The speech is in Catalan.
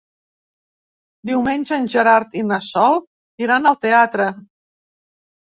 Diumenge en Gerard i na Sol iran al teatre.